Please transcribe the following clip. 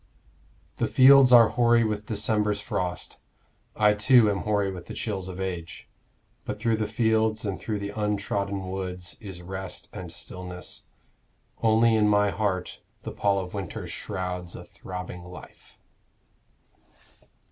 The fields are hoary with December's frost, I too am hoary with the chills of age. But through the fields and through the untrodden woods Is rest and stillness only in my heart The pall of winter shrouds a throbbing life.